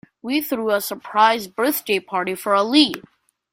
We threw a surprise birthday party for Ali.